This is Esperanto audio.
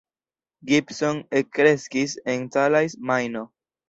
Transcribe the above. Gibson ekkreskis en Calais, Majno.